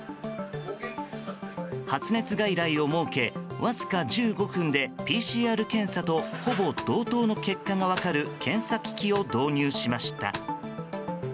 発熱外来を設けわずか１５分で、ＰＣＲ検査とほぼ同等の結果が分かる検査機器を導入しました。